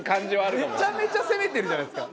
めちゃめちゃ攻めてるじゃないですか。